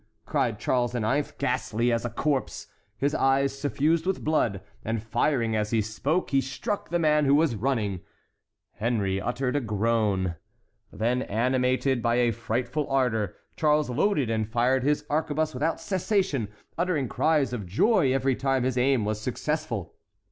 cried Charles IX., ghastly as a corpse, his eyes suffused with blood; and firing as he spoke, he struck the man who was running. Henry uttered a groan. Then, animated by a frightful ardor, Charles loaded and fired his arquebuse without cessation, uttering cries of joy every time his aim was successful.